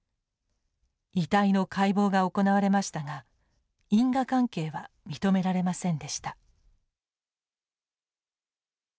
遺体の解剖が行われましたが因果関係は認められませんでした。